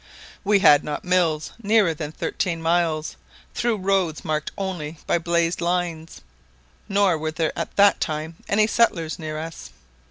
We had not mills nearer than thirteen miles, through roads marked only by blazed lines; nor were there at that time any settlers near us.